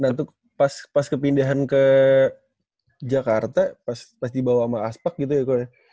nah itu pas kepindahan ke jakarta pas dibawa sama aspak gitu ya